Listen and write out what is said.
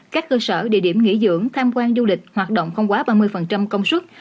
các cơ sở địa điểm nghỉ dưỡng tham quan du lịch hoạt động không quá ba mươi công suất